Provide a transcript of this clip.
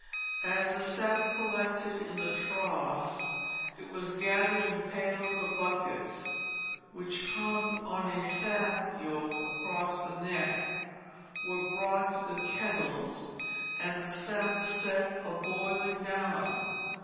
As the sap collected in the troughs it was gathered in pails or buckets which, hung on a sap yoke across the neck, were brought to the kettles and the sap set a boiling down.